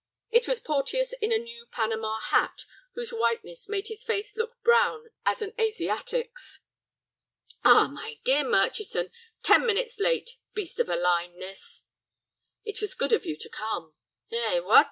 It was Porteus in a new Panama hat, whose whiteness made his face look brown as an Asiatic's. "Ah, my dear Murchison, ten minutes late; beast of a line this." "It was good of you to come." "Eh, what?